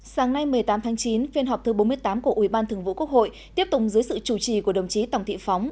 sáng nay một mươi tám tháng chín phiên họp thứ bốn mươi tám của ủy ban thường vụ quốc hội tiếp tục dưới sự chủ trì của đồng chí tổng thị phóng